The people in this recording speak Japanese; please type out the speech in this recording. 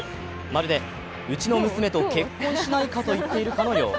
まるで、うちの娘と結婚しないかと言っているかのよう。